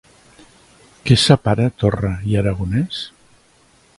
Què separa Torra i Aragonès?